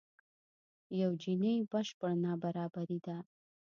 یو جیني بشپړ نابرابري ده.